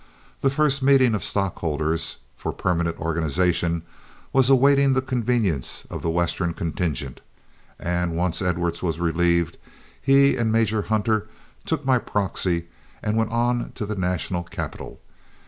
The first meeting of stockholders for permanent organization was awaiting the convenience of the Western contingent; and once Edwards was relieved, he and Major Hunter took my proxy and went on to the national capital.